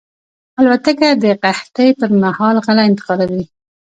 الوتکه د قحطۍ پر مهال غله انتقالوي.